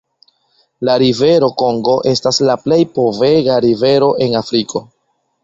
La rivero Kongo estas la plej povega rivero en Afriko.